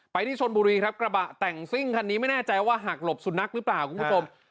ที่ชนบุรีครับกระบะแต่งซิ่งคันนี้ไม่แน่ใจว่าหักหลบสุนัขหรือเปล่าคุณผู้ชม